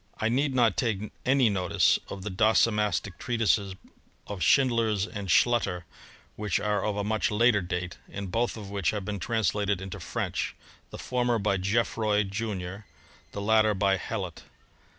' I need not take any notice of the docimastic treatises of Schindlers and Schlutter, which are of a much later date, and both of which have been translated into French, the former by GeofFroy, junior ; the latter by Hellot.